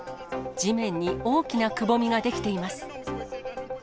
地面に大きなくぼみが出来ています。